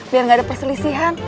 biar gak ada perselisihan